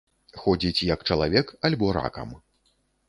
Ходзіць як чалавек альбо ракам.